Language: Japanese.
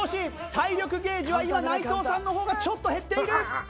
体力ゲージは今内藤さんの方がちょっと減っている。